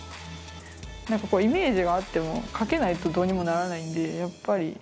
何かイメージがあっても描けないとどうにもならないんでやっぱり。